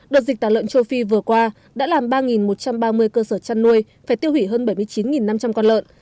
đợt dịch tả lợn châu phi vừa qua đã làm ba một trăm ba mươi cơ sở chăn nuôi phải tiêu hủy hơn bảy mươi chín năm trăm linh con lợn